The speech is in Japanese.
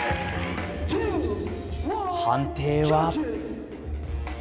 判定は。